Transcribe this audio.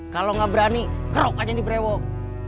kalau nggak berani kerok aja di brewok